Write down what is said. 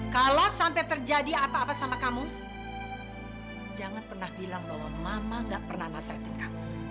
kalau sampai terjadi apa apa sama kamu jangan pernah bilang bahwa mama gak pernah masakinkan